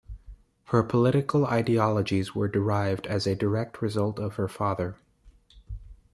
Her political ideologies were derived as a direct result of her father.